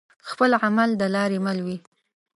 خپل عمل د لاري مل وي